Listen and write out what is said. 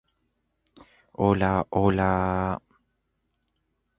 Shocker helped chase Doctor Octopus out of the building.